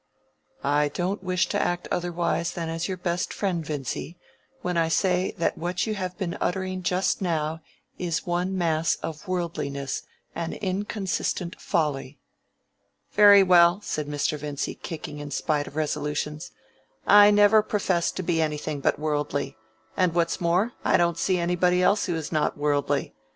"I don't wish to act otherwise than as your best friend, Vincy, when I say that what you have been uttering just now is one mass of worldliness and inconsistent folly." "Very well," said Mr. Vincy, kicking in spite of resolutions, "I never professed to be anything but worldly; and, what's more, I don't see anybody else who is not worldly.